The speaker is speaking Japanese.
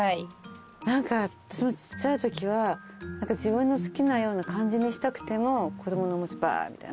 何かちっちゃいときは自分の好きなような感じにしたくても子供のおもちゃバーッみたいな。